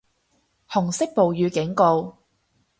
紅色暴雨警告